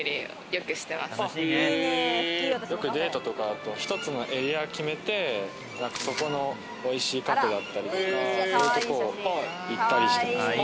よくデートとかだと、一つのエリアを決めて、そこのおいしいカフェだったり、そういうところを行ったりしてますね。